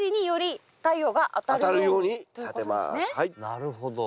なるほど。